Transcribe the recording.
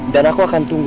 dan aku akan tunggu